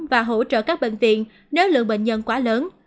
và hỗ trợ các bệnh viện nếu lượng bệnh nhân quá lớn